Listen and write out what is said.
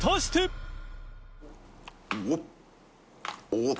おっ？